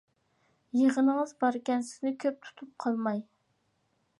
يىغىنىڭىز باركەن، سىزنى كۆپ تۇتۇپ قالماي.